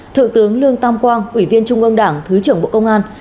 thượng tướng lương tam quang ủy viên trung ương đảng thứ trưởng bộ công an